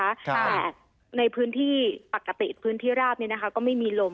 แต่ในพื้นที่ปกติพื้นที่ราบเนี่ยนะคะก็ไม่มีลม